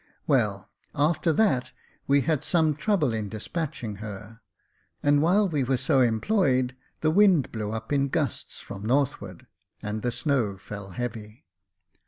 Well, after that, we had some trouble in despatching her ; and while we were so em ployed, the wind blew up in gusts from the northward, and the snow fell heavy.